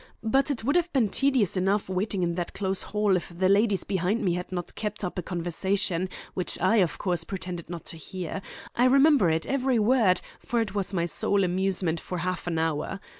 But it would have been tedious enough waiting in that close hall if the ladies behind me had not kept up a conversation, which I, of course, pretended not to hear. I remember it, every word, for it was my sole amusement for half an hour.